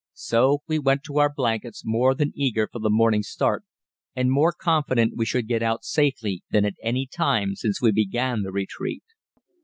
So we went to our blankets more than eager for the morning's start, and more confident we should get out safely than at any time since we began the retreat.